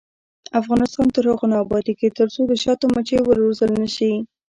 افغانستان تر هغو نه ابادیږي، ترڅو د شاتو مچۍ وروزل نشي.